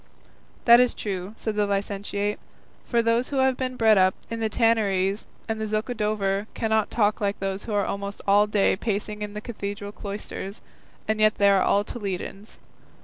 "That is true," said the licentiate, "for those who have been bred up in the Tanneries and the Zocodover cannot talk like those who are almost all day pacing the cathedral cloisters, and yet they are all Toledans.